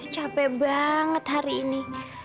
capek banget hari ini